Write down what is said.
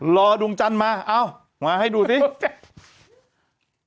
รอดวงจันทร์มาเอ้ามาให้ดูสิโอ้แจ๊ะ